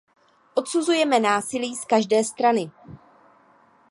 Odsuzujeme násilí z každé strany.